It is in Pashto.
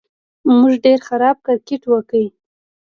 موږ ډېر خراب کرېکټ وکړ